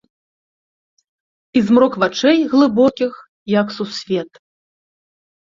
І змрок вачэй, глыбокіх, як сусвет.